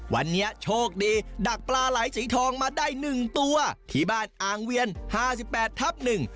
วันนี้โชคดีดักปลาไหลสีทองมาได้หนึ่งตัวที่บ้านอ่างเวียนห้าสิบแปดทับหนึ่ง